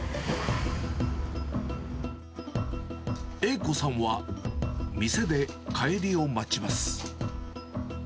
栄子さんは、店で帰りを待ちます。